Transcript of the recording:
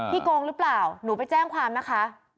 ที่โรคหรือ้าวสบายไปแจ้งความนะคะ